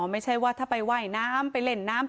ไม่ใช่ว่าถ้าไปว่ายน้ำไปเล่นน้ำ